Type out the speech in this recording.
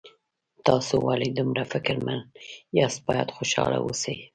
تاسو ولې دومره فکرمن یاست باید خوشحاله اوسئ